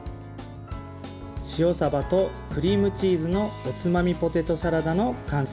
塩さばとクリームチーズのおつまみポテトサラダの完成です。